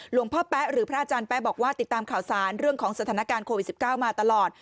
พ่อแป๊ะหรือพระอาจารย์แป๊ะบอกว่าติดตามข่าวสารเรื่องของสถานการณ์โควิด๑๙มาตลอด